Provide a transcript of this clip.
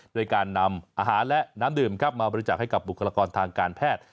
ด้วยการนำอาหารและน้ำดื่มครับมาบริจาคให้กับบุคลากรทางการแพทย์